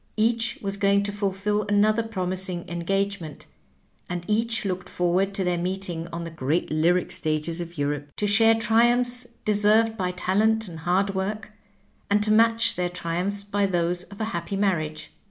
Each was going to fulfill another promising engagement, and each looked forward to their meeting on the great lyric stages of Europe to share tri umphs deserved by talent and hard work, and to match their triumphs by those of a happy marriage.